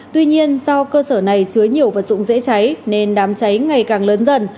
tuy nhiên do cơ sở này chứa nhiều vật dụng dễ cháy nên đám cháy ngày càng lớn dần